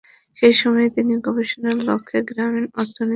সেই সময়ে তিনি গবেষণার লক্ষ্যে গ্রামীণ অর্থনৈতিক প্রকল্প চালু করেন।